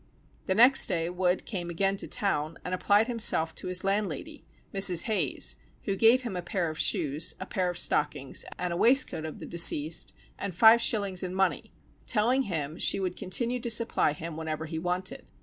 _ The next day Wood came again to town, and applied himself to his landlady, Mrs. Hayes, who gave him a pair of shoes, a pair of stockings and a waistcoat of the deceased, and five shillings in money, telling him she would continue to supply him whenever he wanted.